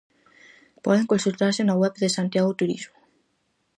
Poden consultarse na web de Santiago Turismo.